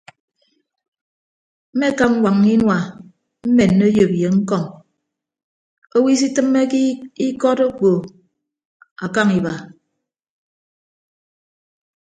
Mmekap ñwañña inua mmenne oyop ye ñkọm owo isitịmmeke ikọt okpo akañ iba.